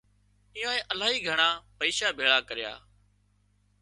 ايئنانئي الاهي گھڻا پئيشا ڪريا